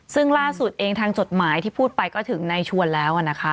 ซึ่งล่าสุดเองทางจดหมายที่พูดไปก็ถึงในชวนแล้วนะคะ